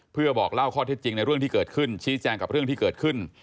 เพื่อบอกเล่าข้อ๑๙๙๑นที่เกิดขึ้นชีวิตแจงกับเรื่องที่เกิดขึ้น